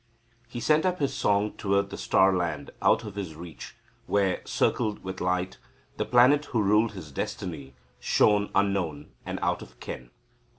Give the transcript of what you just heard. He sent up his song towards the star land out of his reach, where, circled with light, the planet who ruled his destiny shone unknown and out of ken.